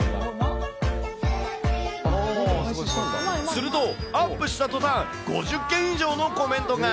すると、アップした途端、５０件以上のコメントが。